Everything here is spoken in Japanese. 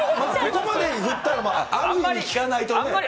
ここまで言ったらある意味聞かないとね。